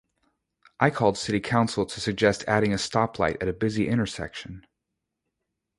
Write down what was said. I called city council to suggest adding a stop light at a busy intersection.